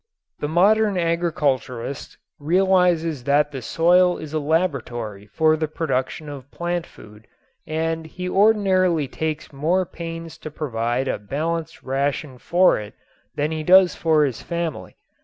] The modern agriculturist realizes that the soil is a laboratory for the production of plant food and he ordinarily takes more pains to provide a balanced ration for it than he does for his family.